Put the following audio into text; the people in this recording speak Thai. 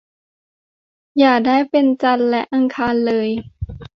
อย่าได้เป็นจันทร์และอังคารเลย